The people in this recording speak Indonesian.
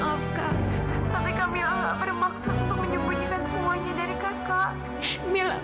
tapi kak mila nggak bermaksud untuk menyembunyikan semuanya dari kakak